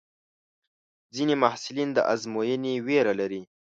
ځینې محصلین د ازموینې وېره لري.